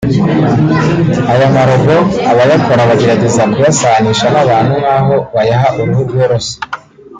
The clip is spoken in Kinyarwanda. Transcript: Aya ma-’robots’ abayakora bagerageza kuyasanisha n’abantu nk’aho bayaha uruhu rworoshye